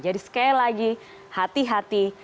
jadi sekali lagi hati hati